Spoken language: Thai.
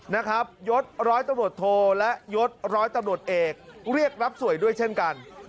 นะครับยศร้อยตำรวจโทและยศร้อยตำรวจเอกเรียกรับสวยด้วยเช่นกัน